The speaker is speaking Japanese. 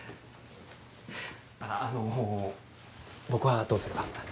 あの僕はどうすれば？